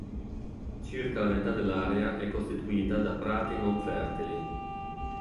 Circa la metà dell'area è costituita da prati non fertili.